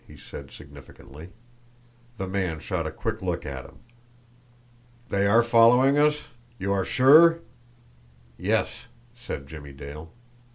he said significantly. The man shot a quick look at him. "They are following us? You are SURE?" "Yes," said Jimmie Dale.